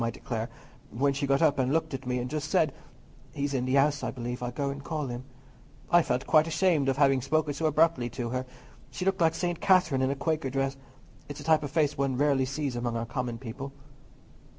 I declare, when she got up and looked at me and just said, 'He's in the house, I believe: I'll go and call him,' I felt quite ashamed of having spoken so abruptly to her. She looked like St. Catherine in a Quaker dress. It's a type of face one rarely sees among our common people."